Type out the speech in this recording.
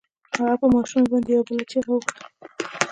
هغه په ماشومې باندې يوه بله چيغه وکړه.